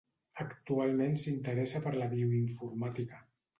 Actualment s'interessa per la bioinformàtica.